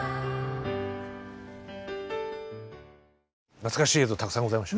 懐かしい映像たくさんございました。